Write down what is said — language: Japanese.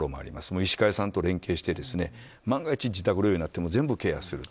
医師会と連携して万が一、自宅療養になっても全部ケアすると。